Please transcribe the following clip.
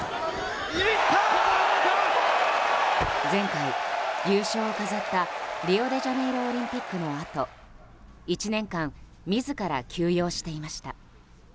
前回、優勝を飾ったリオデジャネイロオリンピックのあと１年間、自ら休養していました。